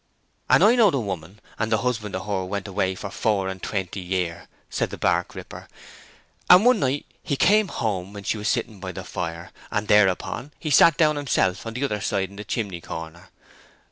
"And I knowed a woman, and the husband o' her went away for four and twenty year," said the bark ripper. "And one night he came home when she was sitting by the fire, and thereupon he sat down himself on the other side of the chimney corner.